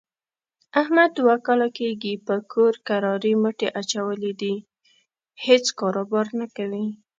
احمد دوه کاله کېږي په کور کرارې مټې اچولې دي، هېڅ کاروبار نه کوي.